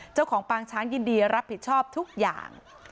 เจ้าของปางช้างยินดีรับผิดชอบทุกอย่าง